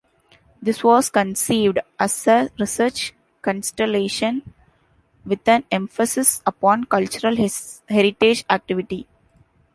This was conceived as a research constellation with an emphasis upon cultural heritage activity.